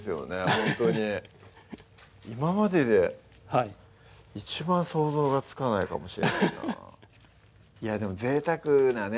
ほんとに今までで一番想像がつかないかもしれないなでもぜいたくなね